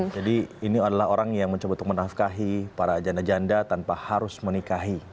jadi ini adalah orang yang mencoba untuk menafkahi para janda janda tanpa harus menikahi